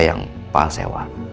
yang pak al sewa